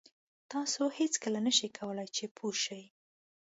تاسو هېڅکله نه شئ کولای چې پوه شئ.